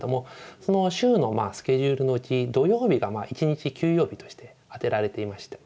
その週のスケジュールのうち土曜日が１日休養日として当てられていまして。